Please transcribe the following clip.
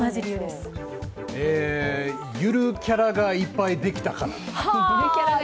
ゆるキャラがいっぱいできたから。